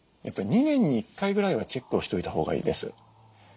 やっぱり２年に１回ぐらいはチェックをしといたほうがいいです。